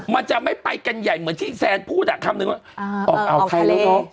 มันจะไม่ไปกันใหญ่เหมือนที่แซนพูดอ่ะคำนึงว่าอ่าเอาทะเลใช่